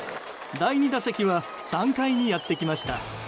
第２打席は３回にやってきました。